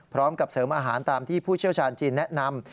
พร้อมกับเสริมอาหารตามที่ผู้เชี่ยวชาญจีนแนะนำ